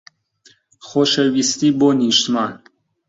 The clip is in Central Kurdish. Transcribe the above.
خۆشەویستی بۆ نیشتمان.